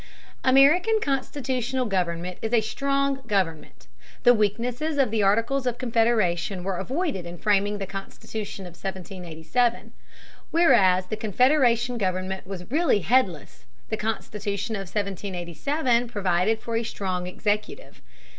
American constitutional government is a strong government. The weaknesses of the Articles of Confederation were avoided in framing the Constitution of 1787. Whereas the Confederation government was really headless, the Constitution of 1787 provided for a strong executive.